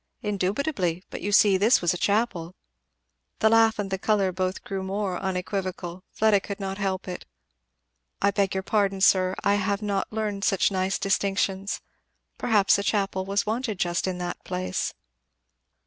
"Indubitably. But you see, this was a chapel." The laugh and the colour both grew more unequivocal Fleda could not help it. "I beg your pardon, sir I have not learned such nice distinctions Perhaps a chapel was wanted just in that place."